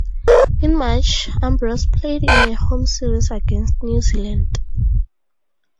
In March, Ambrose played in a home series against New Zealand.